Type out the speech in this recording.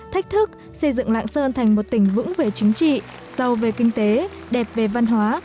thách thức xây dựng lạng sơn thành một tỉnh vững về chính trị sâu về kinh tế đẹp về văn hóa